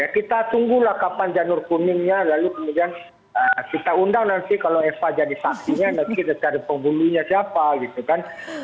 kita tunggulah kapan janur kuningnya lalu kemudian kita undang nanti kalau eva jadi saksinya nanti kita cari penghulunya siapa gitu kan